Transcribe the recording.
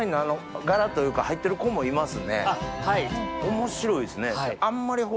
面白いですね。